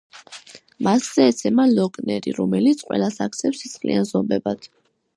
მასზე ეცემა ლოკ-ნერი, რომელიც ყველას აქცევს სისხლიან ზომბებად.